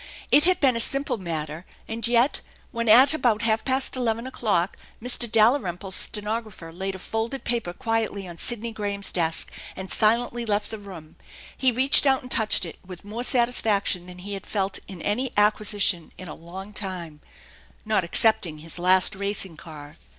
It had been a simple matter ; and yet, when at about half past eleven o'clock Mr. Dalrymple's stenographer laid a folded paper quietly on Sidney Graham's desk and silently left the room, he reached out and touched it with more satisfaction ihan he had felt in any acquisition in a long time, not except ing his last racing car.